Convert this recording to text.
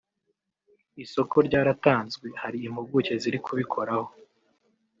isoko ryaratanzwe hari impuguke ziri kubikoraho